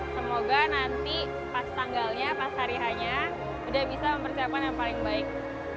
semoga nanti pas tanggalnya pas tarihannya udah bisa mempersiapkan yang paling baik